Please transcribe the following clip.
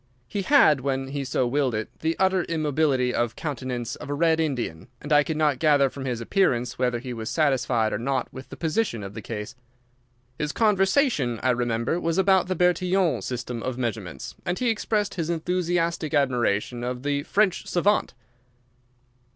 He had, when he so willed it, the utter immobility of countenance of a red Indian, and I could not gather from his appearance whether he was satisfied or not with the position of the case. His conversation, I remember, was about the Bertillon system of measurements, and he expressed his enthusiastic admiration of the French savant.